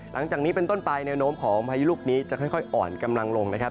หลังจากนี้เป็นต้นไปแนวโน้มของพายุลูกนี้จะค่อยอ่อนกำลังลงนะครับ